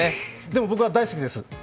でも、僕は大好きです。